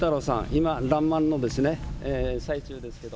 今らんまんの最中ですけど。